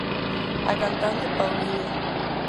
A cantante Pauliña.